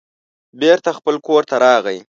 بېرته خپل کور ته راغی.